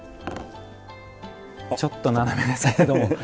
ちょっと斜めですけれども。